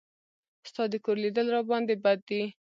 ستا د کور لیدل راباندې بد دي.